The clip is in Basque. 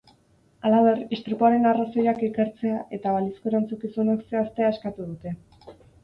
Halaber, istripuaren arrazoiak ikertzea eta balizko erantzukizunak zehaztea eskatu dute.